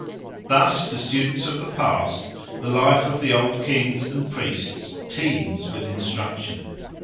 Thus to students of the past the life of the old kings and priests teems with instruction.